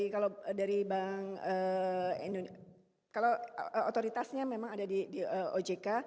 kalau dari bank indonesia kalau otoritasnya memang ada di ojk